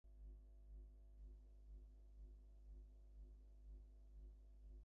ফেরারির driving সিটে বসে জিতেছেন রেকর্ড সাতবার ফর্মুলা ওয়ানের বিশ্ব চ্যাম্পিয়নের মুকুট।